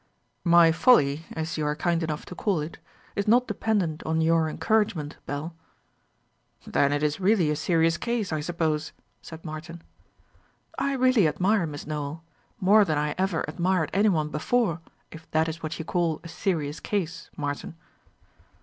"My folly, as you are kind enough to call it, is not dependent on your encouragement, Belle." "Then it is really a serious case, I suppose," said Martin. "I really admire Miss Nowell more than I ever admired any one before, if that is what you call a serious case, Martin."